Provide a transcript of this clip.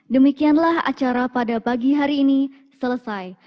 demikianlah acara pada pagi hari ini selesai